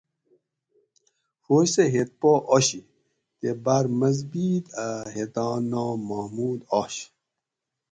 فوج سہ ھیت پا آشی تے باۤر مضبِیت اۤ ھیت آں نام محمود آش